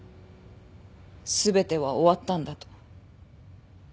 全ては終わったんだと。